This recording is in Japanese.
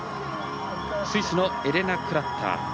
スイスのエレナ・クラッター。